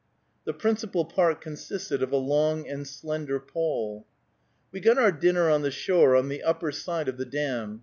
The principal part consisted of a long and slender pole. We got our dinner on the shore, on the upper side of the dam.